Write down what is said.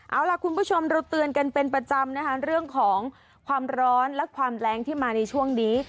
เอาล่ะคุณผู้ชมเราเตือนกันเป็นประจำนะคะเรื่องของความร้อนและความแรงที่มาในช่วงนี้